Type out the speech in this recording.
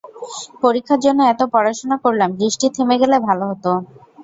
পরীক্ষার জন্য এতো পড়াশোনা করলাম বৃষ্টি থেমে গেলে ভালো হতো।